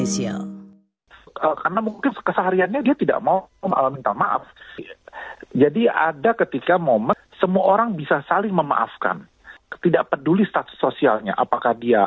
sampai jumpa di video selanjutnya